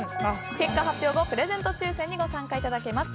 結果発表後、プレゼント抽選にご参加いただけます。